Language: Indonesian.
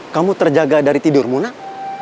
kamu terjaga dari tidurmu nak